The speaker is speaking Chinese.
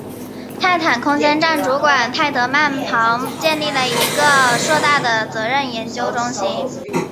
泰坦空间站主管泰德曼旁建立了一个硕大的责任研究中心。